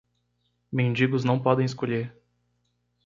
Mendigos não podem escolher.